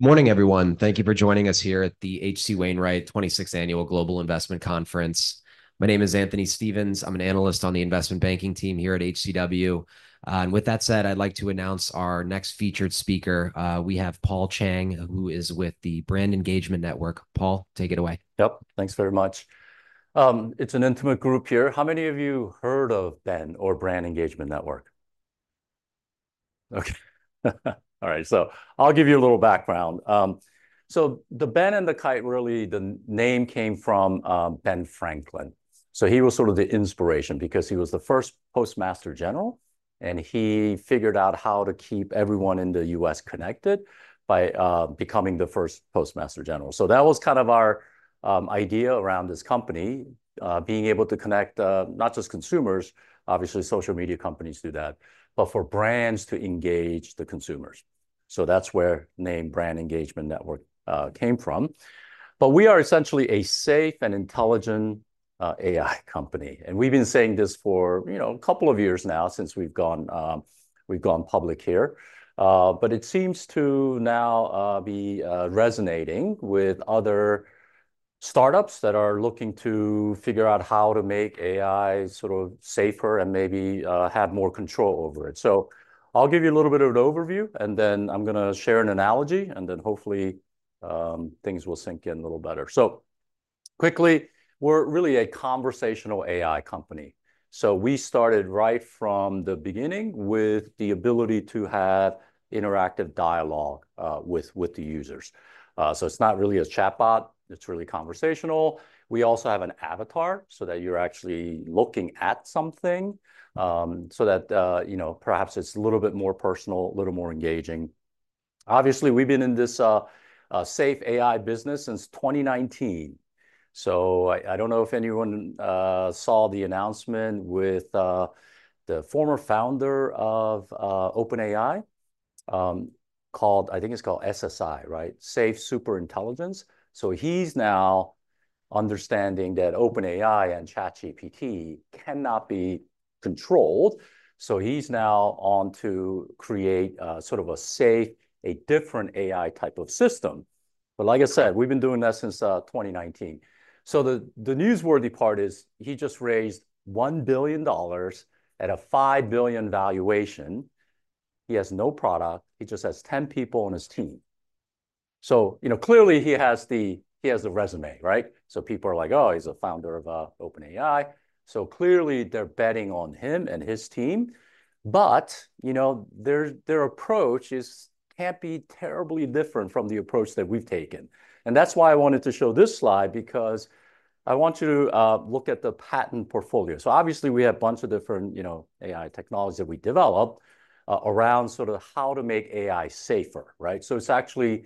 Morning, everyone. Thank you for joining us here at the H.C. Wainwright 26th Annual Global Investment Conference. My name is Anthony Stevens. I'm an analyst on the investment banking team here at HCW, and with that said, I'd like to announce our next featured speaker. We have Paul Chang, who is with the Brand Engagement Network. Paul, take it away. Yep, thanks very much. It's an intimate group here. How many of you heard of BEN or Brand Engagement Network? Okay, all right, so I'll give you a little background. So the BEN and the kite, really, the name came from Ben Franklin. So he was sort of the inspiration because he was the first Postmaster General, and he figured out how to keep everyone in the U.S. connected by becoming the first Postmaster General. So that was kind of our idea around this company, being able to connect not just consumers, obviously, social media companies do that, but for brands to engage the consumers. So that's where the name Brand Engagement Network came from. But we are essentially a safe and intelligent AI company, and we've been saying this for, you know, a couple of years now, since we've gone public here. But it seems to now be resonating with other startups that are looking to figure out how to make AI sort of safer and maybe have more control over it. So I'll give you a little bit of an overview, and then I'm gonna share an analogy, and then hopefully things will sink in a little better. So quickly, we're really a conversational AI company. So we started right from the beginning with the ability to have interactive dialogue with the users. So it's not really a chatbot. It's really conversational. We also have an avatar so that you're actually looking at something, so that, you know, perhaps it's a little bit more personal, a little more engaging. Obviously, we've been in this, safe AI business since 2019. So I don't know if anyone, saw the announcement with, the former founder of, OpenAI, called. I think it's called SSI, right? Safe Superintelligence. So he's now understanding that OpenAI and ChatGPT cannot be controlled, so he's now on to create, sort of a safe, a different AI type of system. But like I said, we've been doing that since, 2019. So the newsworthy part is he just raised $1 billion at a $5 billion valuation. He has no product. He just has 10 people on his team. So, you know, clearly he has the resume, right? So people are like, "Oh, he's a founder of OpenAI." So clearly they're betting on him and his team, but, you know, their approach can't be terribly different from the approach that we've taken. And that's why I wanted to show this slide, because I want you to look at the patent portfolio. So obviously, we have a bunch of different, you know, AI technologies that we developed around sort of how to make AI safer, right? So it's actually,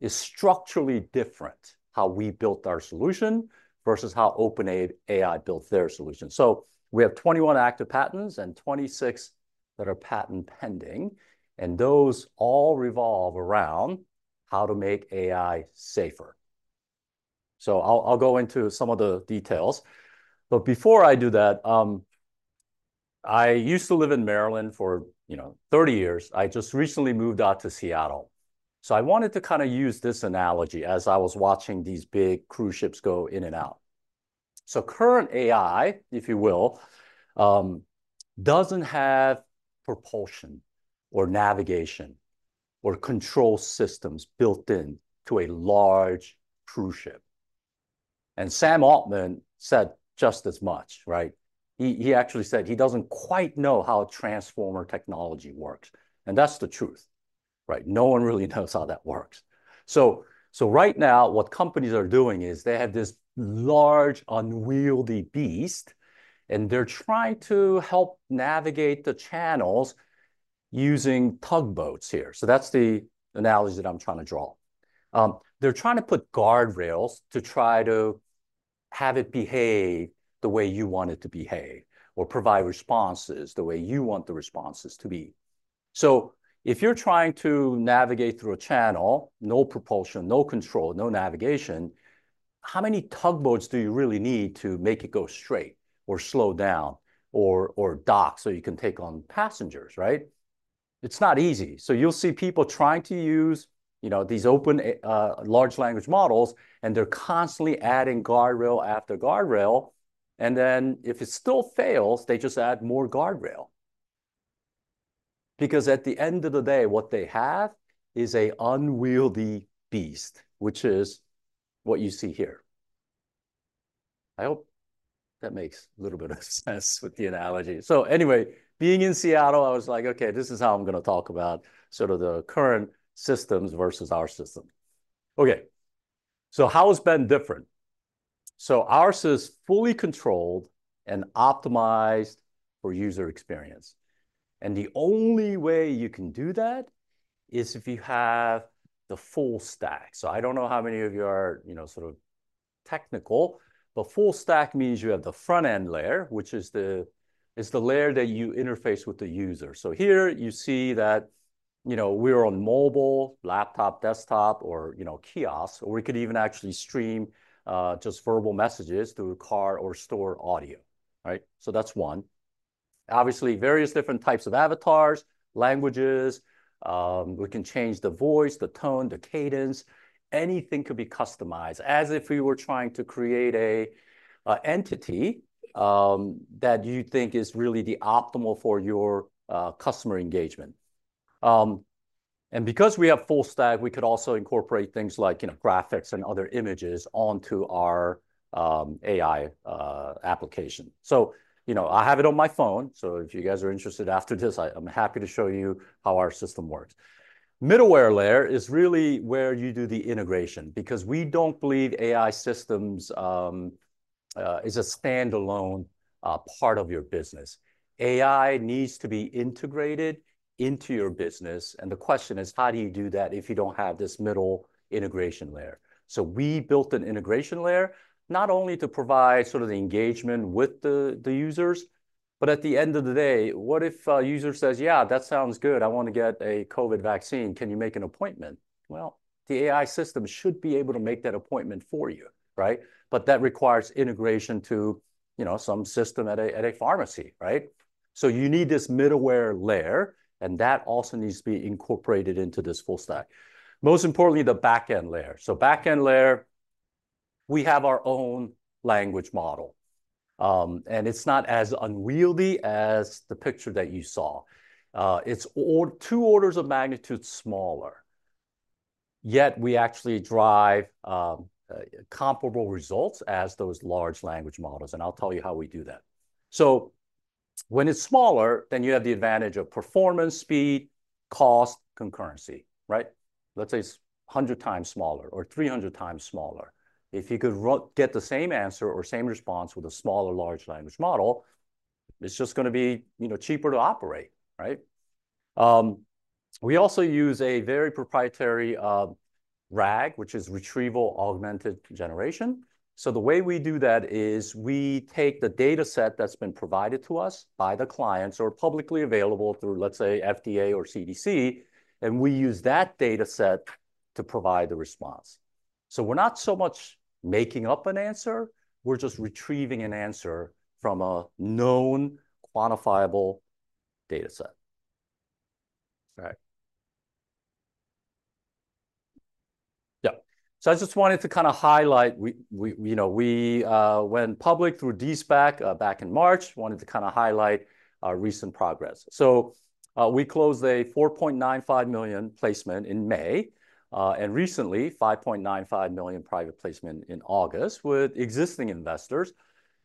it's structurally different, how we built our solution versus how OpenAI built their solution. So we have 21 active patents and 26 that are patent pending, and those all revolve around how to make AI safer. So I'll go into some of the details, but before I do that, I used to live in Maryland for, you know, thirty years. I just recently moved out to Seattle. So I wanted to kind of use this analogy as I was watching these big cruise ships go in and out. So current AI, if you will, doesn't have propulsion or navigation, or control systems built in to a large cruise ship. And Sam Altman said just as much, right? He actually said he doesn't quite know how transformer technology works, and that's the truth, right? No one really knows how that works. So right now, what companies are doing is they have this large, unwieldy beast, and they're trying to help navigate the channels using tugboats here. So that's the analogy that I'm trying to draw. They're trying to put guardrails to try to have it behave the way you want it to behave, or provide responses the way you want the responses to be. So if you're trying to navigate through a channel, no propulsion, no control, no navigation, how many tugboats do you really need to make it go straight or slow down or dock so you can take on passengers, right? It's not easy. So you'll see people trying to use, you know, these open large language models, and they're constantly adding guardrail after guardrail, and then if it still fails, they just add more guardrail. Because at the end of the day, what they have is a unwieldy beast, which is what you see here. I hope that makes a little bit of sense with the analogy. So anyway, being in Seattle, I was like, "Okay, this is how I'm gonna talk about sort of the current systems versus our system." Okay, so how is BEN different? So ours is fully controlled and optimized for user experience, and the only way you can do that is if you have the full stack. So I don't know how many of you are, you know, sort of technical, but full stack means you have the front-end layer, which is the, it's the layer that you interface with the user. So here you see that, you know, we're on mobile, laptop, desktop, or, you know, kiosk, or we could even actually stream just verbal messages through car or store audio, right? So that's one. Obviously, various different types of avatars, languages, we can change the voice, the tone, the cadence. Anything could be customized, as if we were trying to create a entity that you think is really the optimal for your customer engagement. And because we have full stack, we could also incorporate things like, you know, graphics and other images onto our AI application. So, you know, I have it on my phone, so if you guys are interested after this, I'm happy to show you how our system works. Middleware layer is really where you do the integration, because we don't believe AI systems is a standalone part of your business. AI needs to be integrated into your business, and the question is: how do you do that if you don't have this middleware integration layer? We built an integration layer, not only to provide sort of the engagement with the users, but at the end of the day, what if a user says, "Yeah, that sounds good. I wanna get a COVID vaccine. Can you make an appointment?" Well, the AI system should be able to make that appointment for you, right? But that requires integration to, you know, some system at a pharmacy, right? So you need this middleware layer, and that also needs to be incorporated into this full stack. Most importantly, the back-end layer. So back-end layer, we have our own language model. And it's not as unwieldy as the picture that you saw. It's two orders of magnitude smaller, yet we actually drive comparable results as those large language models, and I'll tell you how we do that. So when it's smaller, then you have the advantage of performance, speed, cost, concurrency, right? Let's say it's hundred times smaller or three hundred times smaller. If you could get the same answer or same response with a small or large language model, it's just gonna be, you know, cheaper to operate, right? We also use a very proprietary RAG, which is retrieval augmented generation. So the way we do that is, we take the dataset that's been provided to us by the clients or publicly available through, let's say, FDA or CDC, and we use that dataset to provide the response. So we're not so much making up an answer, we're just retrieving an answer from a known quantifiable dataset. Right. Yeah. So I just wanted to kinda highlight, you know, we went public through de-SPAC back in March Wanted to kinda highlight our recent progress. So, we closed a $4.95 million placement in May, and recently, $5.95 million private placement in August with existing investors,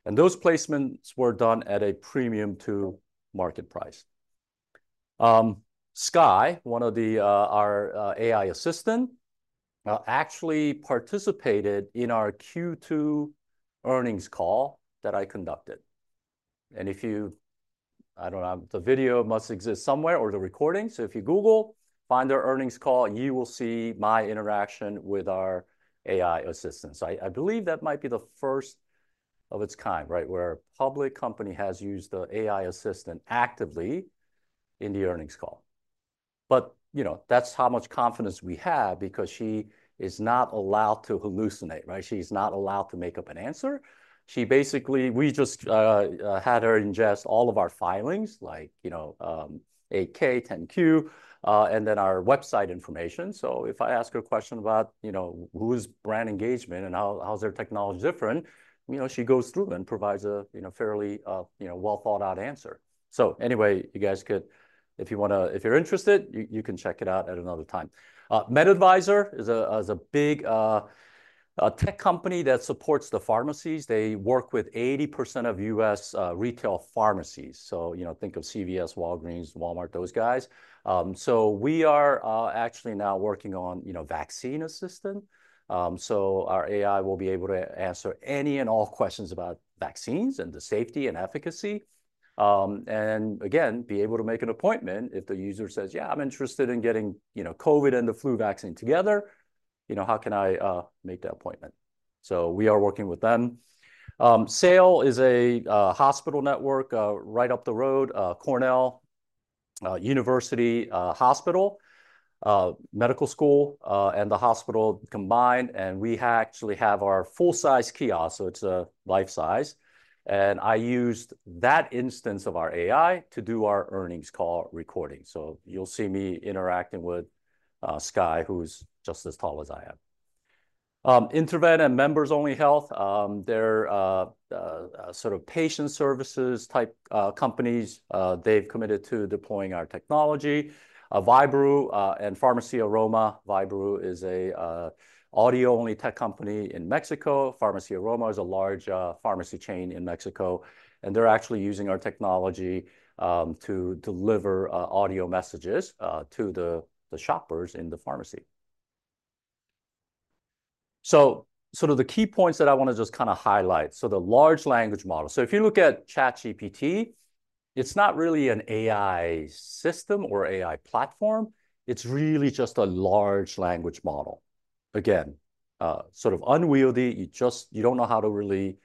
and those placements were done at a premium to market price. Sky, one of our AI assistant, actually participated in our Q2 earnings call that I conducted. And if you... I don't know, the video must exist somewhere or the recording. So if you google, find our earnings call, you will see my interaction with our AI assistants. I believe that might be the first of its kind, right? Where a public company has used the AI assistant actively in the earnings call. But, you know, that's how much confidence we have, because she is not allowed to hallucinate, right? She's not allowed to make up an answer. She basically we just had her ingest all of our filings, like, you know, 8-K, 10-Q, and then our website information. So if I ask her a question about, you know, who is Brand Engagement, and how's their technology different, you know, she goes through and provides a, you know, fairly, you know, well-thought-out answer. So anyway, you guys could if you wanna, if you're interested, you can check it out at another time. MedAdvisor is a big tech company that supports the pharmacies. They work with 80% of US retail pharmacies. So, you know, think of CVS, Walgreens, Walmart, those guys. So we are actually now working on, you know, vaccine assistant. Our AI will be able to answer any and all questions about vaccines, and the safety and efficacy. And again, be able to make an appointment if the user says, "Yeah, I'm interested in getting, you know, COVID and the flu vaccine together. You know, how can I make that appointment?" So we are working with them. Weill is a hospital network right up the road, Cornell University Hospital, Medical School, and the hospital combined, and we actually have our full-size kiosk, so it's life-size. And I used that instance of our AI to do our earnings call recording. So you'll see me interacting with Sky, who is just as tall as I am. InterVent and Members Only Health, they're sort of patient services type companies. They've committed to deploying our technology. Vybroo and Farmacia Roma. Vybroo is a audio-only tech company in Mexico. Farmacia Roma is a large pharmacy chain in Mexico, and they're actually using our technology to deliver audio messages to the shoppers in the pharmacy. So sort of the key points that I wanna just kinda highlight. So the large language model. So if you look at ChatGPT, it's not really an AI system or AI platform, it's really just a large language model. Again, sort of unwieldy, you just... You don't know how to really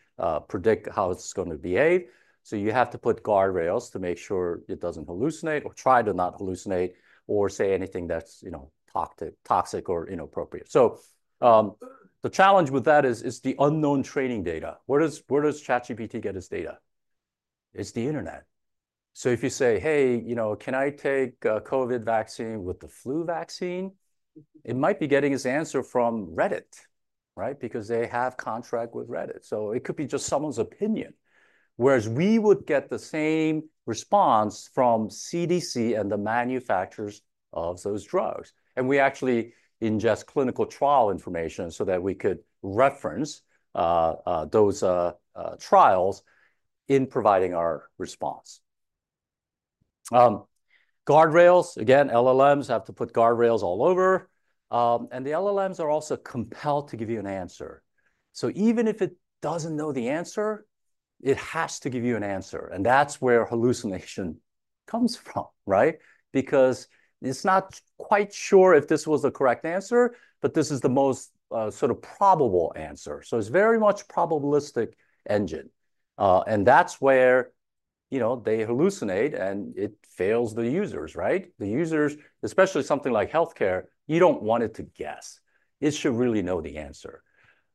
predict how it's gonna behave, so you have to put guardrails to make sure it doesn't hallucinate or try to not hallucinate, or say anything that's, you know, toxic or inappropriate. So the challenge with that is the unknown training data. Where does ChatGPT get its data? It's the internet. So if you say, "Hey, you know, can I take a COVID vaccine with the flu vaccine?" It might be getting its answer from Reddit, right? Because they have contract with Reddit, so it could be just someone's opinion. Whereas we would get the same response from CDC and the manufacturers of those drugs. And we actually ingest clinical trial information so that we could reference those trials in providing our response. Guardrails, again, LLMs have to put guardrails all over. And the LLMs are also compelled to give you an answer. So even if it doesn't know the answer, it has to give you an answer, and that's where hallucination comes from, right? Because it's not quite sure if this was the correct answer, but this is the most sort of probable answer. So it's very much probabilistic engine. And that's where, you know, they hallucinate, and it fails the users, right? The users, especially something like healthcare, you don't want it to guess. It should really know the answer.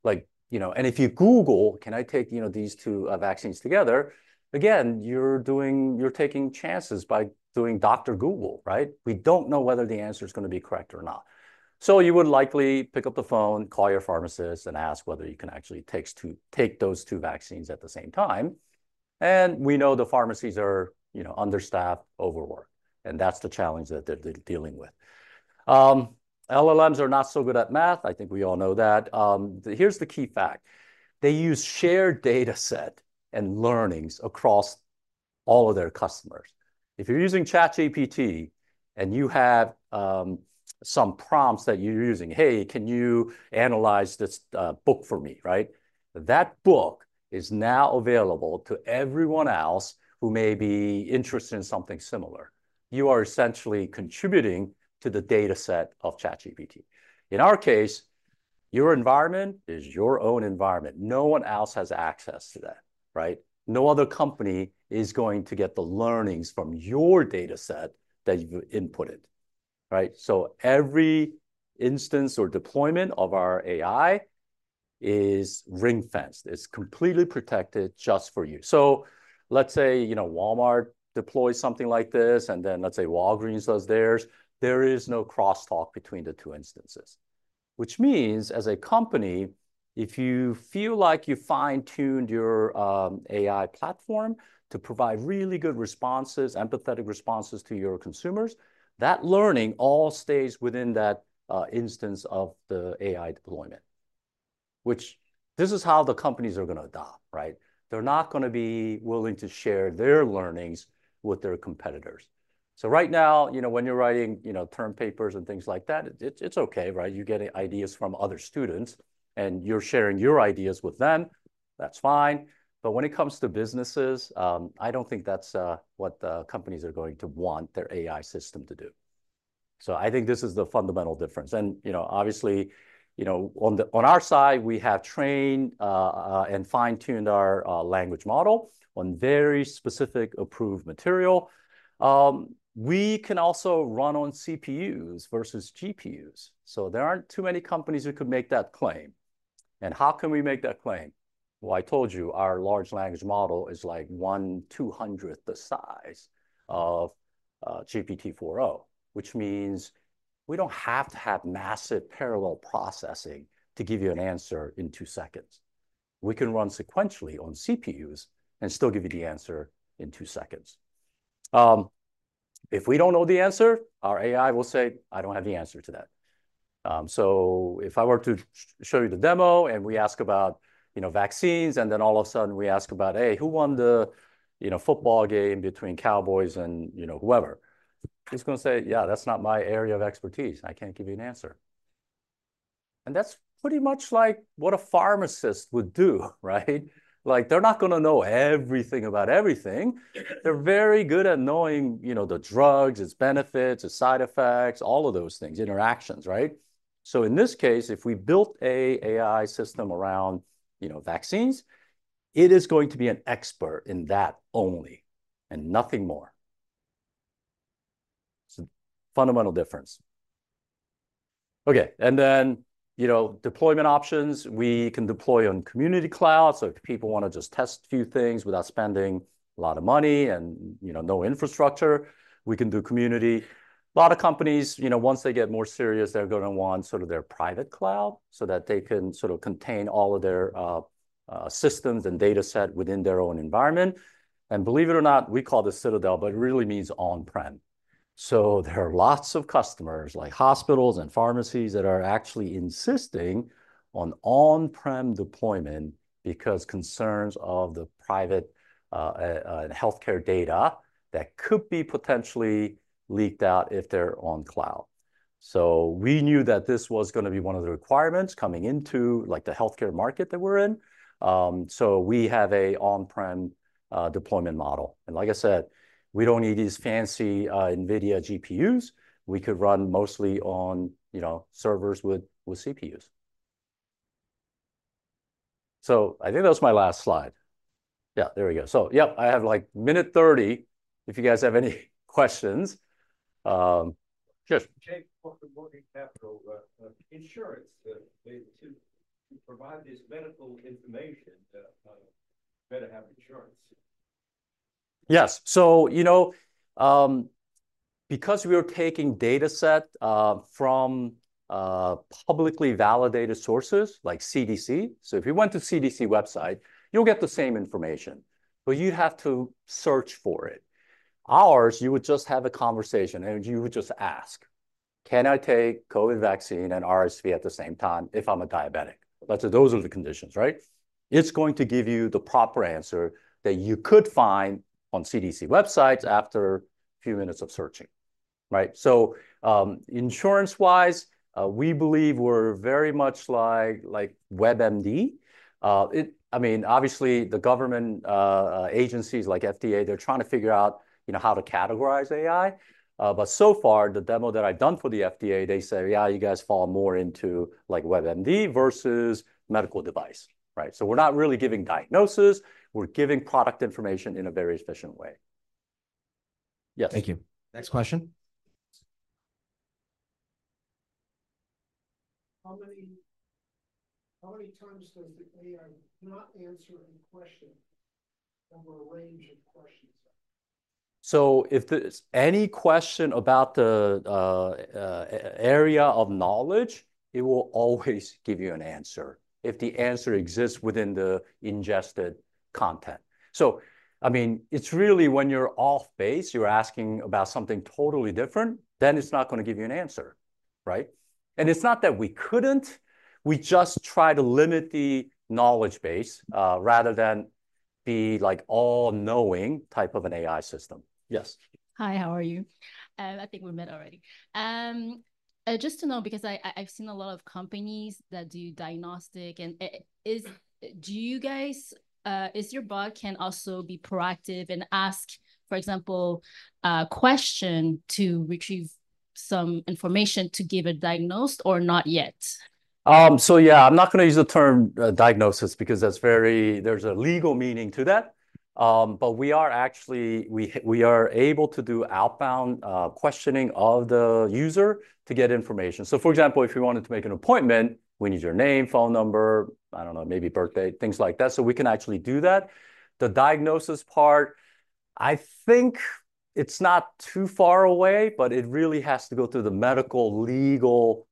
Like, you know, and if you Google, "Can I take, you know, these two vaccines together?" Again, you're taking chances by doing Dr. Google, right? We don't know whether the answer is gonna be correct or not. So you would likely pick up the phone, call your pharmacist, and ask whether you can actually take those two vaccines at the same time. And we know the pharmacies are, you know, understaffed, overworked, and that's the challenge that they're dealing with. LLMs are not so good at math. I think we all know that. Here's the key fact: They use shared dataset and learnings across all of their customers. If you're using ChatGPT, and you have some prompts that you're using, "Hey, can you analyze this book for me," right? That book is now available to everyone else who may be interested in something similar. You are essentially contributing to the dataset of ChatGPT. In our case, your environment is your own environment. No one else has access to that, right? No other company is going to get the learnings from your dataset that you've inputted, right? So every instance or deployment of our AI is ring-fenced. It's completely protected just for you. So let's say, you know, Walmart deploys something like this, and then let's say Walgreens does theirs. There is no cross-talk between the two instances, which means, as a company, if you feel like you fine-tuned your AI platform to provide really good responses, empathetic responses to your consumers, that learning all stays within that instance of the AI deployment, which this is how the companies are gonna adopt, right? They're not gonna be willing to share their learnings with their competitors. So right now, you know, when you're writing, you know, term papers and things like that, it's okay, right? You're getting ideas from other students, and you're sharing your ideas with them. That's fine. But when it comes to businesses, I don't think that's what the companies are going to want their AI system to do. So I think this is the fundamental difference. You know, obviously, you know, on our side, we have trained and fine-tuned our language model on very specific approved material. We can also run on CPUs versus GPUs, so there aren't too many companies who could make that claim. How can we make that claim? I told you, our large language model is, like, one two-hundredth the size of GPT-4o, which means we don't have to have massive parallel processing to give you an answer in two seconds. We can run sequentially on CPUs and still give you the answer in two seconds. If we don't know the answer, our AI will say, "I don't have the answer to that." So if I were to show you the demo, and we ask about, you know, vaccines, and then all of a sudden we ask about, "Hey, who won the, you know, football game between Cowboys and, you know, whoever?" It's gonna say, "Yeah, that's not my area of expertise. I can't give you an answer." And that's pretty much like what a pharmacist would do, right? Like, they're not gonna know everything about everything. They're very good at knowing, you know, the drugs, its benefits, its side effects, all of those things, interactions, right? So in this case, if we built a AI system around, you know, vaccines, it is going to be an expert in that only and nothing more. It's a fundamental difference. Okay, and then, you know, deployment options, we can deploy on community cloud. So if people wanna just test a few things without spending a lot of money and, you know, no infrastructure, we can do community. A lot of companies, you know, once they get more serious, they're gonna want sort of their private cloud so that they can sort of contain all of their systems and dataset within their own environment. And believe it or not, we call this Citadel, but it really means on-prem. So there are lots of customers, like hospitals and pharmacies, that are actually insisting on on-prem deployment because concerns of the private and healthcare data that could be potentially leaked out if they're on cloud. So we knew that this was gonna be one of the requirements coming into, like, the healthcare market that we're in. So we have a on-prem deployment model. And like I said, we don't need these fancy NVIDIA GPUs. We could run mostly on, you know, servers with CPUs. So I think that was my last slide. Yeah, there we go. So, yep, I have, like, minute thirty if you guys have any questions. Yes? Jake. [inaudible] Insurance to provide this medical information better have insurance. Yes. So, you know, because we are taking data set from publicly validated sources like CDC, so if you went to CDC website, you'll get the same information, but you'd have to search for it. Ours, you would just have a conversation, and you would just ask, "Can I take COVID vaccine and RSV at the same time if I'm a diabetic?" Let's say those are the conditions, right? It's going to give you the proper answer that you could find on CDC websites after a few minutes of searching, right? So, insurance-wise, we believe we're very much like, like WebMD. It. I mean, obviously, the government agencies like FDA, they're trying to figure out, you know, how to categorize AI. But so far, the demo that I've done for the FDA, they say, "Yeah, you guys fall more into, like, WebMD versus medical device," right? So we're not really giving diagnosis, we're giving product information in a very efficient way. Yes. Thank you. Next question. How many, how many times does the AI not answer a question from a range of questions? So if there's any question about the area of knowledge, it will always give you an answer, if the answer exists within the ingested content. So I mean, it's really when you're off base, you're asking about something totally different, then it's not going to give you an answer, right? And it's not that we couldn't, we just try to limit the knowledge base, rather than be, like, all-knowing type of an AI system. Yes. Hi, how are you? I think we met already. Just to know, because I've seen a lot of companies that do diagnostic, and is your bot can also be proactive and ask, for example, a question to retrieve some information to give a diagnosis or not yet? So yeah, I'm not going to use the term diagnosis, because that's very, there's a legal meaning to that. But we are actually able to do outbound questioning of the user to get information. So, for example, if you wanted to make an appointment, we need your name, phone number, I don't know, maybe birthday, things like that, so we can actually do that. The diagnosis part, I think it's not too far away, but it really has to go through the medical, legal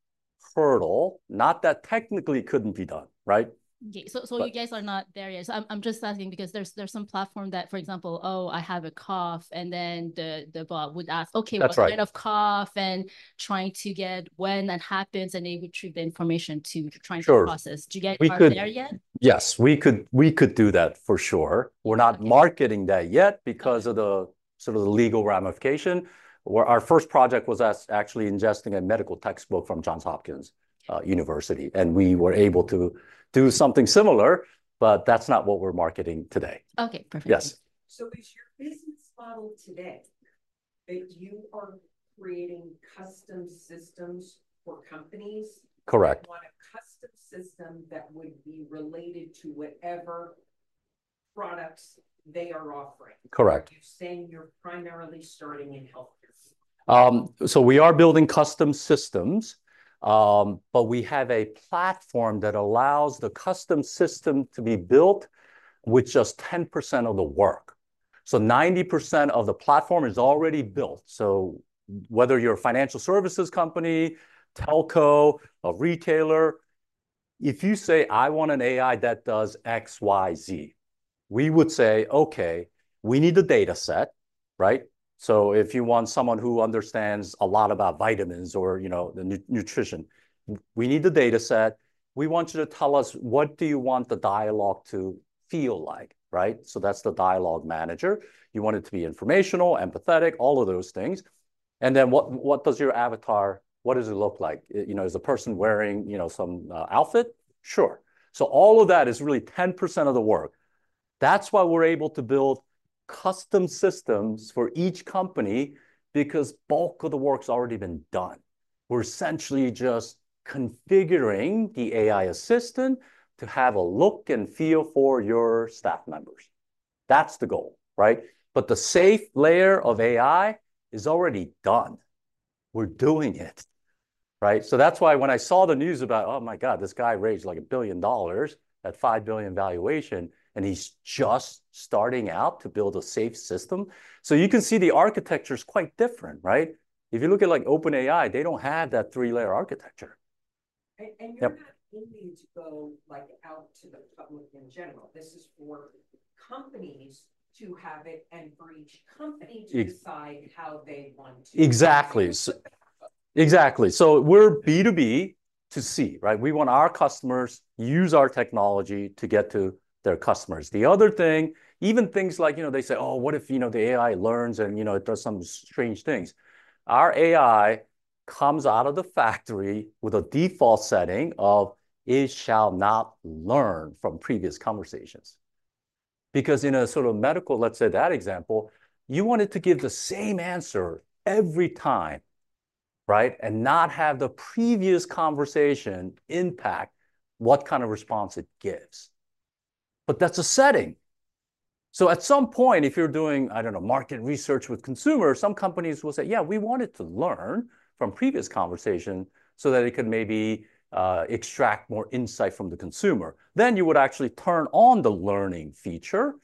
hurdle. Not that technically it couldn't be done, right? Yeah. So you guys are not there yet. So I'm just asking because there's some platform that, for example, "Oh, I have a cough," and then the bot would ask- That's right... "Okay, what kind of cough?" And trying to get when that happens, and it retrieve the information to- Try and process. Do you guys are there yet? Yes, we could. We could do that, for sure. We're not marketing that yet because of the sort of legal ramification. Our first project was us actually ingesting a medical textbook from Johns Hopkins University, and we were able to do something similar, but that's not what we're marketing today. Okay, perfect. Yes. Is your business model today that you are creating custom systems for companies? Correct. They want a custom system that would be related to whatever products they are offering? Correct. You're saying you're primarily starting in healthcare? So we are building custom systems, but we have a platform that allows the custom system to be built with just 10% of the work. So 90% of the platform is already built. So whether you're a financial services company, telco, a retailer, if you say: "I want an AI that does XYZ," we would say, "Okay, we need a data set," right? So if you want someone who understands a lot about vitamins or, you know, the nutrition, we need the data set. We want you to tell us what do you want the dialogue to feel like, right? So that's the dialogue manager. You want it to be informational, empathetic, all of those things. And then, what does your avatar look like? You know, is the person wearing, you know, some outfit? Sure. So all of that is really 10% of the work. That's why we're able to build custom systems for each company, because bulk of the work's already been done. We're essentially just configuring the AI assistant to have a look and feel for your staff members. That's the goal, right? But the safe layer of AI is already done. We're doing it, right? So that's why when I saw the news about, "Oh, my God, this guy raised, like, $1 billion at $5 billion valuation, and he's just starting out to build a safe system?" So you can see the architecture is quite different, right? If you look at, like, OpenAI, they don't have that three-layer architecture And, and- you're not aiming to go, like, out to the public in general. This is for companies to have it and for each company to decide how they want to... Exactly. Exactly. So we're B2B to C, right? We want our customers use our technology to get to their customers. The other thing, even things like, you know, they say, "Oh, what if, you know, the AI learns and, you know, it does some strange things?" Our AI comes out of the factory with a default setting of it shall not learn from previous conversations. Because in a sort of medical, let's say, that example, you want it to give the same answer every time, right? And not have the previous conversation impact what kind of response it gives. But that's a setting... So at some point, if you're doing, I don't know, market research with consumers, some companies will say, "Yeah, we wanted to learn from previous conversation so that it could maybe extract more insight from the consumer." Then you would actually turn on the learning feature.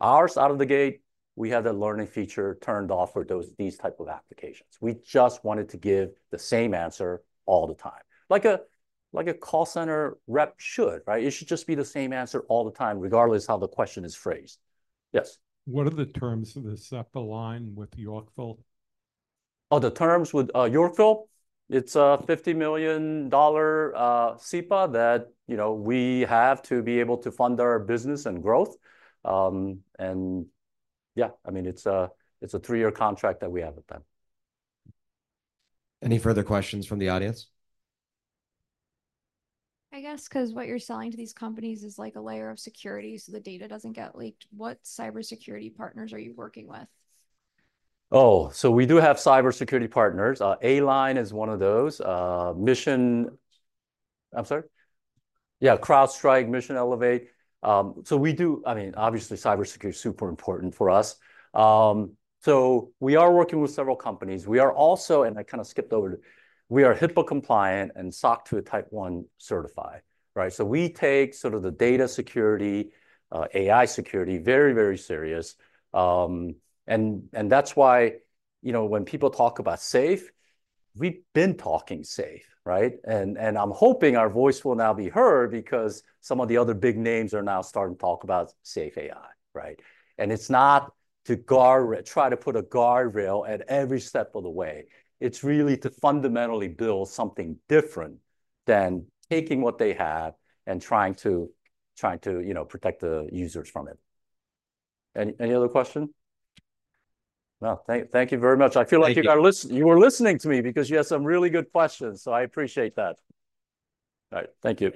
Ours, out of the gate, we had the learning feature turned off for these type of applications. We just wanted to give the same answer all the time, like a, like a call center rep should, right? It should just be the same answer all the time, regardless how the question is phrased. Yes? What are the terms of the SEPA line with Yorkville? Oh, the terms with Yorkville? It's a $50 million SEPA that, you know, we have to be able to fund our business and growth. And yeah, I mean, it's a, it's a three-year contract that we have with them. Any further questions from the audience? I guess, 'cause what you're selling to these companies is, like, a layer of security, so the data doesn't get leaked. What cybersecurity partners are you working with? Oh, so we do have cybersecurity partners. A-LIGN is one of those. Mission... I'm sorry? Yeah, CrowdStrike, Mission, Elevate. So we do. I mean, obviously, cybersecurity is super important for us. So we are working with several companies. We are also, and I kind of skipped over, we are HIPAA compliant and SOC 2 Type 1 certified, right? So we take sort of the data security, AI security very, very serious. And that's why, you know, when people talk about safe, we've been talking safe, right? And I'm hoping our voice will now be heard because some of the other big names are now starting to talk about safe AI, right? And it's not to try to put a guardrail at every step of the way. It's really to fundamentally build something different than taking what they have and trying to, you know, protect the users from it. Any other question? Well, thank you very much. Thank you. I feel like you guys were listening to me because you had some really good questions, so I appreciate that. All right, thank you.